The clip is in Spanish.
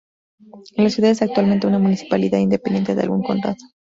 La ciudad es actualmente una municipalidad independiente de algún condado.